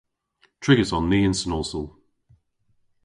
Trigys on ni yn Sen Austel.